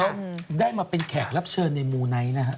แล้วได้มาเป็นแขกรับเชิญในมูไนท์นะฮะ